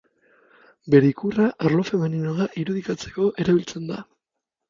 Bere ikurra, arlo femeninoa irudikatzeko erabiltzen da.